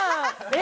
え！